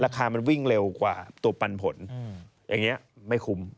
คามันวิ่งเร็วกว่าตัวปันผลอย่างนี้ไม่คุ้ม